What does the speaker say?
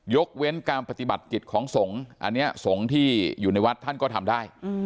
เว้นการปฏิบัติกิจของสงฆ์อันนี้สงฆ์ที่อยู่ในวัดท่านก็ทำได้